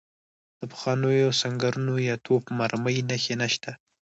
د پخوانیو سنګرونو یا توپ مرمۍ نښې نشته.